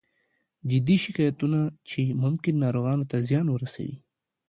جدي شکایتونه چې ممکن ناروغانو ته زیان ورسوي